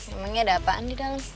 emangnya ada apaan di dalam